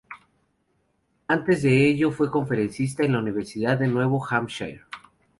Antes de ello fue conferencista en la "Universidad de Nuevo Hampshire".